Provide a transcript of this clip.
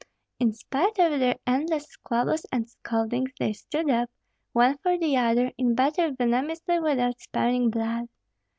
In spite of their endless squabbles and scoldings, they stood up, one for the other, in battle venomously without sparing blood.